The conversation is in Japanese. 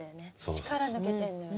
力抜けてるのよね。